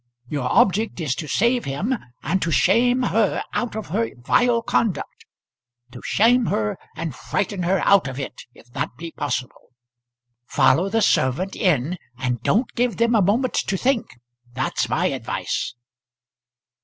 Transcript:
Your object is to save him and to shame her out of her vile conduct. To shame her and frighten her out of it if that be possible. Follow the servant in and don't give them a moment to think. That's my advice."